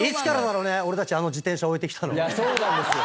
そうなんですよ。